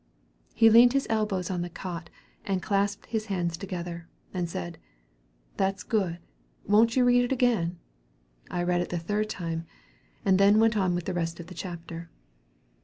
He leaned his elbows on the cot and clasped his hands together, and said, 'That's good; won't you read it again?' I read it the third time, and then went on with the rest of the chapter.